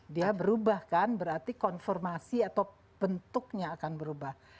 dia berubah kan berarti konformasi atau bentuknya akan berubah